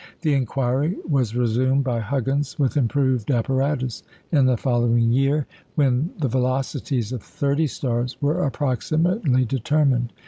The inquiry was resumed by Huggins with improved apparatus in the following year, when the velocities of thirty stars were approximately determined.